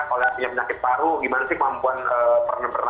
kalau punya penyakit paru gimana sih kemampuan pernafasannya